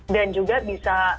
dan juga bisa membantu